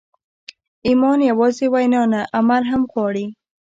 ایمان یوازې وینا نه، عمل هم غواړي.